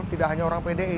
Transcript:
tidak hanya orang pdi